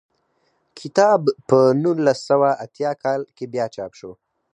کتاب په نولس سوه اتیا کال کې بیا چاپ شو.